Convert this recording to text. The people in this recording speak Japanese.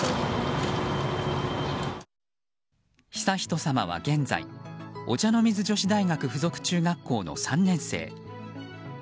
悠仁さまは現在お茶の水女子大学附属中学校の３年生。